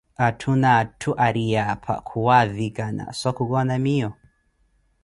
atthu na atthu ariiye apha kuwaavikhana so khukoona miiyo.